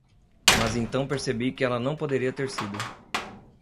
Mas então percebi que ela não poderia ter sido.